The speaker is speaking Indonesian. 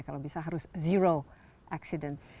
kalau bisa harus zero accident